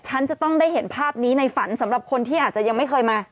ฉันจะต้องได้เห็นภาพนี้ในฝันสำหรับคนที่อาจจะยังไม่เคยมา